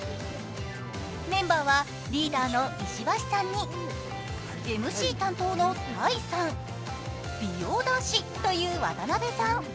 メンバーは、リーダーの石橋さんにＭＣ担当の田井さん、美容男子という渡邉さん。